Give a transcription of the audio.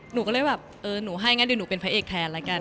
หนูก็เลยแบบเออหนูให้งั้นเดี๋ยวหนูเป็นพระเอกแทนแล้วกัน